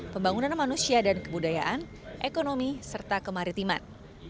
pembangunan manusia dan kebudayaan ekonomi serta kemaritiman